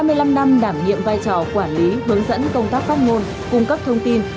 sau hai mươi năm năm đảm nhiệm vai trò quản lý hướng dẫn công tác phát ngôn cung cấp thông tin